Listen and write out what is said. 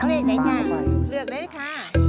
เอาหน่อยเลือกเลยค่ะ